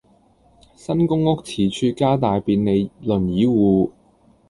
新公屋廁廚加大便利輪椅戶